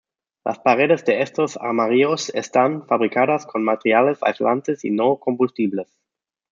Las paredes de estos armarios están fabricadas con materiales aislantes y no combustibles.